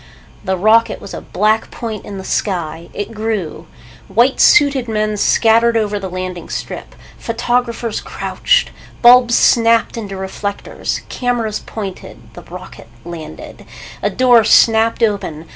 The rocket was a black point in the sky. It grew. White suited men scattered over the landing strip. Photographers crouched. Bulbs snapped into reflectors. Cameras pointed. The rocket landed. A door snapped open.